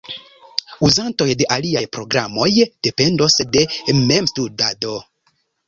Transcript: Uzantoj de aliaj programoj dependos de memstudado.